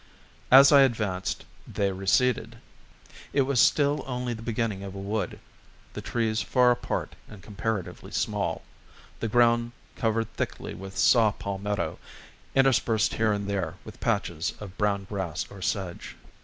As I advanced, they receded. It was still only the beginning of a wood; the trees far apart and comparatively small, the ground covered thickly with saw palmetto, interspersed here and there with patches of brown grass or sedge.